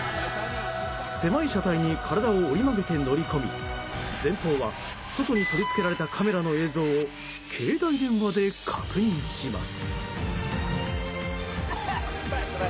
狭い車体に体を折り曲げて乗り込み前方は、外に取り付けられたカメラの映像を携帯電話で確認します。